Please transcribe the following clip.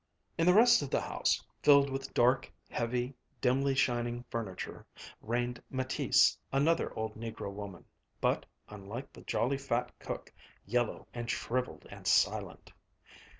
In the rest of the house, filled with dark, heavy, dimly shining furniture, reigned Mattice, another old negro woman, but, unlike the jolly, fat cook, yellow and shriveled and silent.